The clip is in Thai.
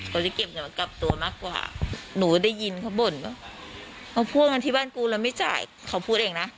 ก็จะเก็บมากับตัวมากกว่าหนูได้ยินข้าบ่นหรือว่าพวกมันที่บ้านกูแล้วไม่จ่ายเธอพูดเองนะ